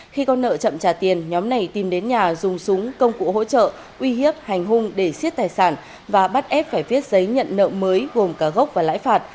khi con nợ chậm trả tiền nhóm này tìm đến nhà dùng súng công cụ hỗ trợ uy hiếp hành hung để xiết tài sản và bắt ép phải viết giấy nhận nợ mới gồm cả gốc và lãi phạt